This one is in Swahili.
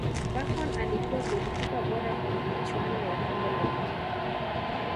buffon alikuwa golikipa bora kwenye michuano ya kombe la dunia